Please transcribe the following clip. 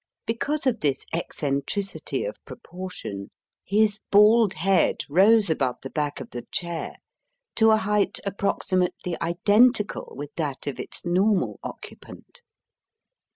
Because of this eccentricity of proportion, his bald head rose above the back of the chair to a height approximately identical with that of its normal occupant.